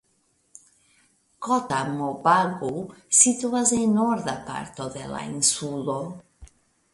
Kotamobagu situas en norda parto de la insulo.